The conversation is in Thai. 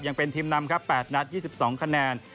ยังเป็นทีมนำครับ๘นัด๒๒คะแนน